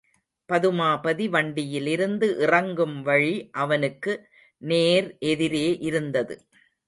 பதுமாபதி வண்டியிலிருந்து இறங்கும் வழி அவனுக்கு நேர் எதிரே இருந்தது.